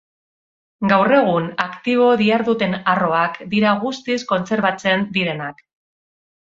Gaur egun aktibo diharduten arroak dira guztiz kontserbatzen direnak.